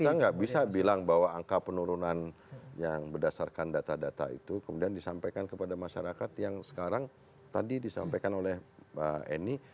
kita nggak bisa bilang bahwa angka penurunan yang berdasarkan data data itu kemudian disampaikan kepada masyarakat yang sekarang tadi disampaikan oleh mbak eni